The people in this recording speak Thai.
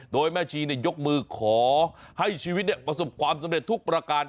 โดยแม่ชียกมือขอให้ชีวิตประสบความสำเร็จทุกประการ